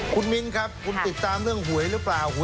คุณมินครับคุณติดตามเรื่องหวยหรือเปล่าหวยอ่อนละเวงน่ะ